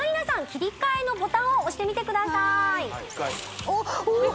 切り替えのボタンを押してみてくださいおっおお！